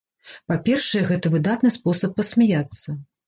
Па-першае, гэта выдатны спосаб пасмяяцца.